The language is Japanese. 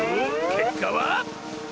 けっかは。